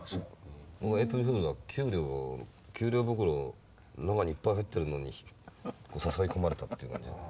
エイプリル・フールは給料袋中にいっぱい入ってるのに誘い込まれたっていう感じだな。